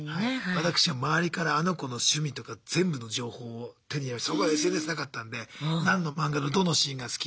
私は周りからあの子の趣味とか全部の情報を手に入れましてそのころＳＮＳなかったんで何の漫画のどのシーンが好き